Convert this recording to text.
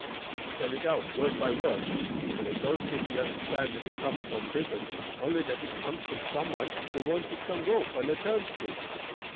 He spell it out word by word, but I don't tink he understand dat it come from prison, only dat it come from some one who wanted some rope and a turn screw.